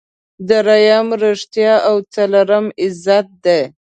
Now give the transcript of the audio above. دریم ریښتیا او څلورم عزت دی.